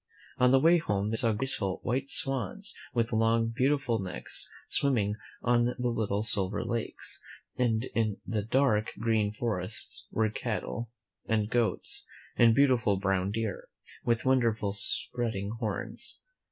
On the way home they saw graceful, white swans, with long, beautiful necks, swim ming on the little silver lakes, and in the dark, green forests were cattle, and goats, and beautiful brown deer, with wonderful spreading horns.